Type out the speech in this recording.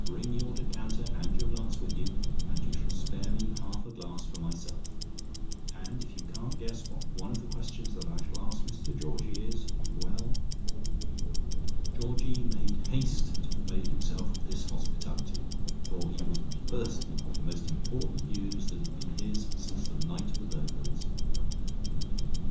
Bring your decanter and your glass with you, and you shall spare me half a glass for myself, and if you can't guess what one of the questions that I shall ask Mr Georgie is: well " Georgie made haste to avail himself of this hospitality for he was bursting with the most important news that had been his since the night of the burglaries.